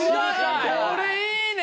これいいね！